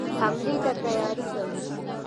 حملې ته تیاری کوي.